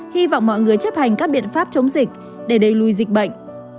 hy vọng mọi người chấp hành các biện pháp chống dịch để đầy lùi dịch bệnh